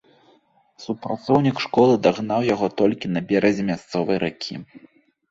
Супрацоўнік школы дагнаў яго толькі на беразе мясцовай ракі.